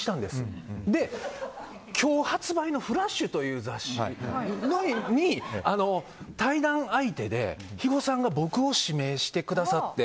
それで、今日発売の「ＦＬＡＳＨ」という雑誌に対談相手で肥後さんが僕を指名してくださって。